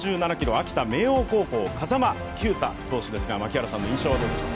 秋田・明桜高校の風間球打投手ですが、槙原さんの印象はどうでしょうか？